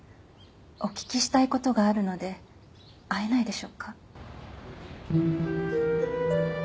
お聞きしたい事があるので会えないでしょうか？